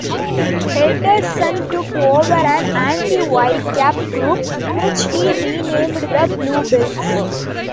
Henderson took over an anti-Whitecap group, which he renamed the Blue Bills.